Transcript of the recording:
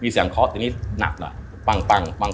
มีเสียงคอกที่นี่หนักหน่อย